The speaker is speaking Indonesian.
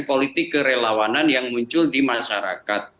politik kerelawanan yang muncul di masyarakat